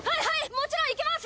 もちろん行きます！